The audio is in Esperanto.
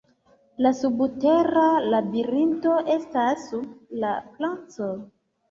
La subtera labirinto estas sub la placo.